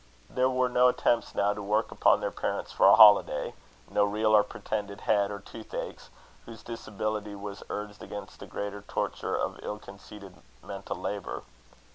There were no attempts now to work upon their parents for a holiday; no real or pretended head or tooth aches, whose disability was urged against the greater torture of ill conceded mental labour.